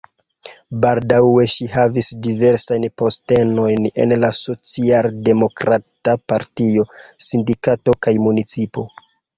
Baldaŭe ŝi havis diversajn postenojn en la socialdemokrata partio, sindikato kaj municipo.